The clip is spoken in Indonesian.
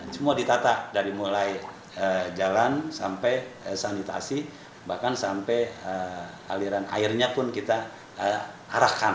semua ditata dari mulai jalan sampai sanitasi bahkan sampai aliran airnya pun kita arahkan